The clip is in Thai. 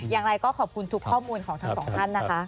อย่างไรก็ขอบคุณทุกข้อมูลของทั้งสองท่านนะคะ